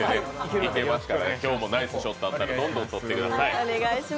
今日もナイスショットあったらどんどん撮ってください。